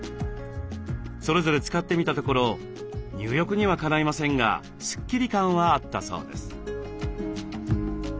それぞれ使ってみたところ入浴にはかないませんがスッキリ感はあったそうです。